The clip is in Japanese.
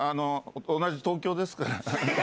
同じ東京ですから。